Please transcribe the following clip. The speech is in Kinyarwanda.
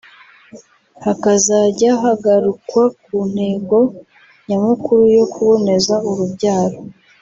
hakazajya hagarukwa ku ntego nyamukuru yo kuboneza urubyaro